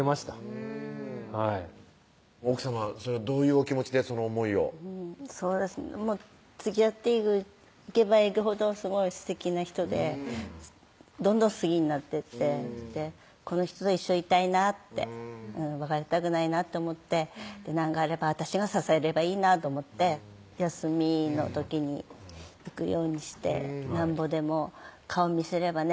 うんはい奥さまどういうお気持ちでその思いをつきあっていけばいくほどすごいすてきな人でどんどん好きになってってこの人と一緒にいたいなって別れたくないなって思って何かあれば私が支えればいいなと思って休みの時に行くようにしてなんぼでも顔見せればね